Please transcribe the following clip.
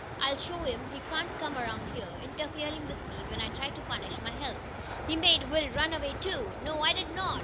I'll show him he can't come around here, interferin' with me when I try to punish my help. He made Will run away too." "No, I did not.